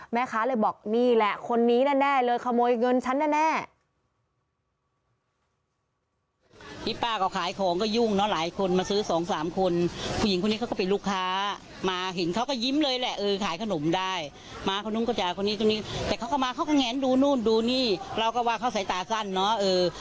แม่ค้าเลยบอกนี่แหละคนนี้แน่เลยขโมยเงินฉันแน่